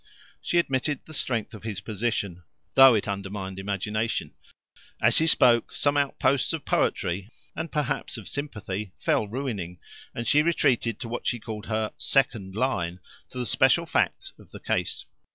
She admitted the strength of his position, though it undermined imagination. As he spoke, some outposts of poetry and perhaps of sympathy fell ruining, and she retreated to what she called her "second line" to the special facts of the case.